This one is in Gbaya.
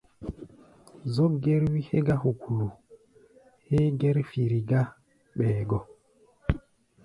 Zɔ́k gɛ́r-wí hégɔ́ hukulu héé gɛ́r firi gá ɓɛɛ gɔ.